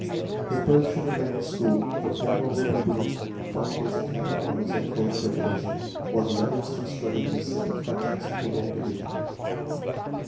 If both should remain in school the former will be win ning Phi Beta Kappa honors at college graduation while the latter is still struggling with simple fractions or long division.